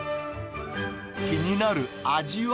気になる味は？